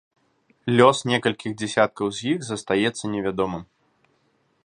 Лёс некалькіх дзясяткаў з іх застаецца невядомым.